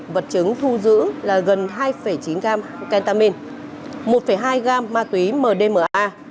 vật chứng thu giữ là gần hai chín gam kentamin một hai gam ma túy mdma